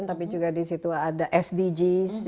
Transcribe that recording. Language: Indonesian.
tapi juga disitu ada sdgs